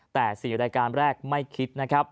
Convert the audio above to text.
แต่สิ่งในรายการแรกไม่คิด